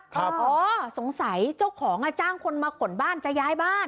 อ๋อสงสัยเจ้าของจ้างคนมาขนบ้านจะย้ายบ้าน